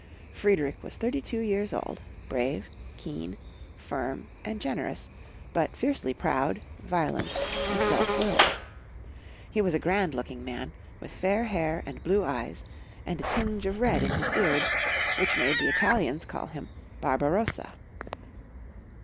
Friedrich was thirty two years old, brave, keen, firm, and generous, but fiercely proud, violent, and self willed. He was a grand looking man, with fair hair and blue eyes, and a tinge of red in his beard, which made the Italians call him Barbarossa.